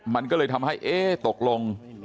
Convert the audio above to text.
มันก็เลยทำให้เอ๊ะตกลง